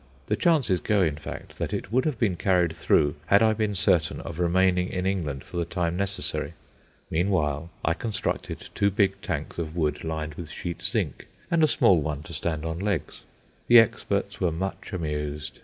The chances go, in fact, that it would have been carried through had I been certain of remaining in England for the time necessary. Meanwhile I constructed two big tanks of wood lined with sheet zinc, and a small one to stand on legs. The experts were much amused.